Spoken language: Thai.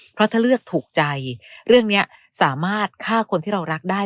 เพราะถ้าเลือกถูกใจเรื่องนี้สามารถฆ่าคนที่เรารักได้